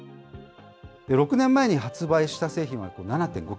６年前に発売した製品は７．５キ